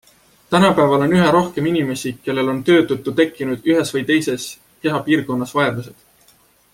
Tänapäeval on üha rohkem inimesi, kellel on töö tõttu tekkinud ühes või teises kehapiirkonnas vaevused.